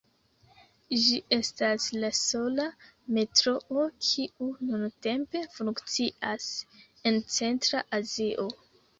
Ĝi estas la sola metroo kiu nuntempe funkcias en Centra Azio.